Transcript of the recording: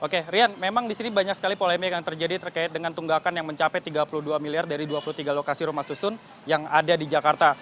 oke rian memang di sini banyak sekali polemik yang terjadi terkait dengan tunggakan yang mencapai tiga puluh dua miliar dari dua puluh tiga lokasi rumah susun yang ada di jakarta